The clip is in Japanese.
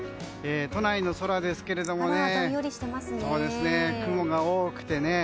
都内の空ですけど雲が多くてね。